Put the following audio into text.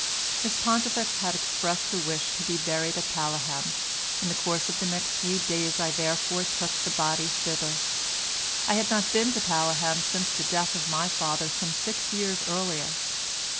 Miss Pontifex had expressed a wish to be buried at Paleham; in the course of the next few days I therefore took the body thither. I had not been to Paleham since the death of my father some six years earlier.